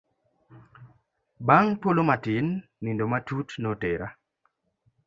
Bang' thuolo matin nindo matut notera.